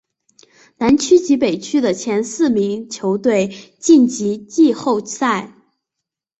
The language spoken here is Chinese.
南区及北区的前四名球队晋级季后赛。